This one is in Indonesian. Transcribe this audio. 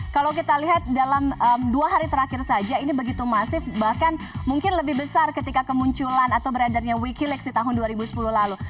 kalau kita lihat dalam dua hari terakhir saja ini begitu masif bahkan mungkin lebih besar ketika kemunculan atau beredarnya wikilex di tahun dua ribu sepuluh lalu